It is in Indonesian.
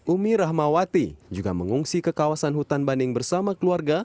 umi rahmawati juga mengungsi ke kawasan hutan banding bersama keluarga